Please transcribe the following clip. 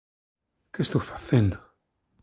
Que estou facendo?